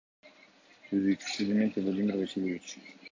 Түзүүчүсү — Дементев Владимир Васильевич.